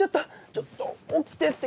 ちょっと起きてって！